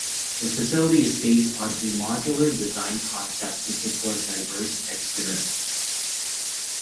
The facility is based on a modular design concept to support diverse experiments.